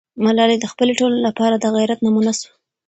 ملالۍ د خپلې ټولنې لپاره د غیرت نمونه سوه.